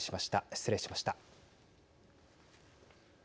失礼しました。